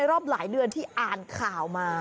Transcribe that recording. รอบหลายเดือนที่อ่านข่าวมา